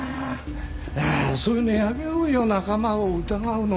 ああそういうのやめようよ仲間を疑うのは。